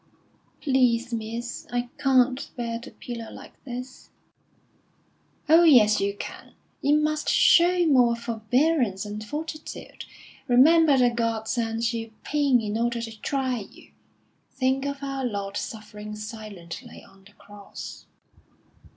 "Please, miss, I can't bear the pillow like this." "Oh, yes, you can. You must show more forbearance and fortitude. Remember that God sends you pain in order to try you. Think of Our Lord suffering silently on the Cross."